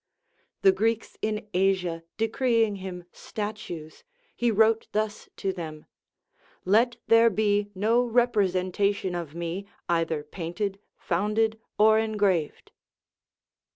The Greeks in Asia decreeing him statues, he Avrote thus to them : Let there be no representation of me, either painted, founded, or engraved.